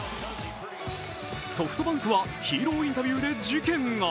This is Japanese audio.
ソフトバンクはヒーローインタビューで事件が。